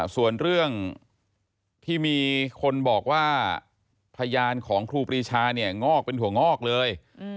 ส่วนเรื่องที่มีคนบอกว่าพยานของครูปรีชาเนี่ยงอกเป็นถั่วงอกเลย